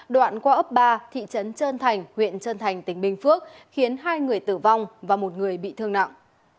đoạn qua ấp ba thị trấn trơn thành huyện trân thành tỉnh bình phước khiến hai người tử vong và một người bị thương nặng